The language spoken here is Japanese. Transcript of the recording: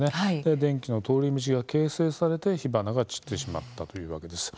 電気の通り道が形成されて火花がが散ってしまったというわけです。